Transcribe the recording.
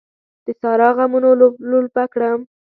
د سارا غمونو لولپه کړم.